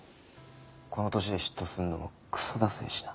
この年で嫉妬するのもクソだせえしな。